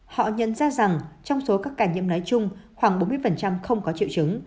họ nhận ra rằng trong số các ca nhiễm nói chung khoảng bốn mươi không có triệu chứng